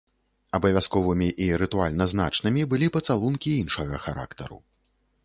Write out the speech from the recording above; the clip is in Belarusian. Абавязковымі і рытуальна значнымі былі пацалункі іншага характару.